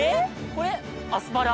これアスパラ？